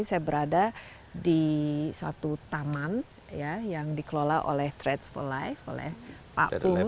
saya berada di suatu taman yang dikelola oleh trades for life oleh pak pung